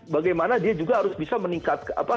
bagaimana dia juga harus bisa meningkat